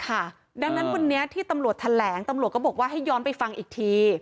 ดังนั้นวันนี้ที่ตำรวจแถลงตำรวจก็บอกว่าให้ย้อนไปฟังอีกที